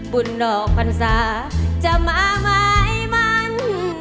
บุญดอกพรรษาจะมาไม้มัน